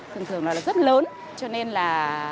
thường thường là rất lớn cho nên là